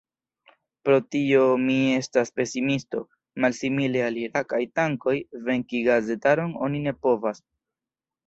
Pro tio mi estas pesimisto: malsimile al irakaj tankoj, venki gazetaron oni ne povas.